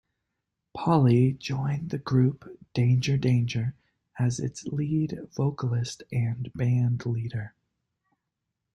Poley joined the group Danger Danger as its lead vocalist and bandleader.